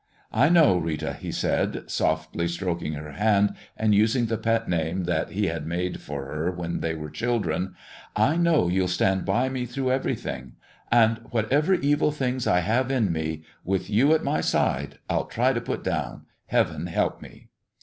"I know, Rita," he said, softly, stroking her hand and using the pet name that he had made for her when they were children; "I know you'll stand by me through everything. And, whatever evil things I have in me, with you at my side, I'll try to put down. Heaven help me!"